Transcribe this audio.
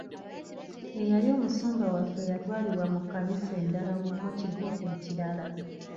Eyali omusumba waffe yatwalibwa mu kkanisa endala mu kigo ekirala.